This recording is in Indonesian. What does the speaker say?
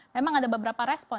memang ada beberapa respon